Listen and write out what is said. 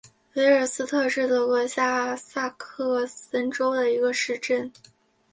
维尔斯特是德国下萨克森州的一个市镇。